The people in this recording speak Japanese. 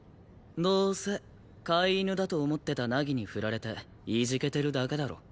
どうせ飼い犬だと思ってた凪にフラれていじけてるだけだろ。